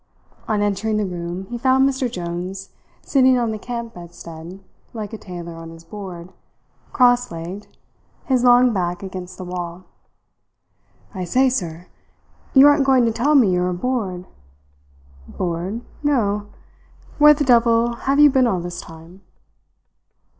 On entering the room, he found Mr. Jones sitting on the camp bedstead like a tailor on his board, cross legged, his long back against the wall. "I say, sir. You aren't going to tell me you are bored?" "Bored! No! Where the devil have you been all this time?"